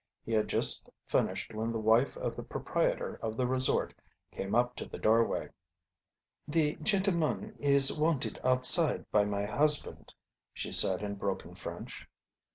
He had just finished when the wife of the proprietor of the resort came up to the doorway. "The gentleman is wanted outside by my husband," she said in broken French.